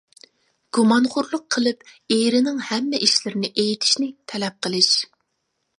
گۇمانخورلۇق قىلىپ ئېرىنىڭ ھەممە ئىشلىرىنى ئېيتىشنى تەلەپ قىلىش.